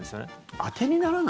「あてにならない」？